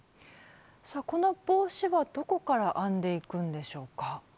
この帽子はどこから編んでいくんでしょうか？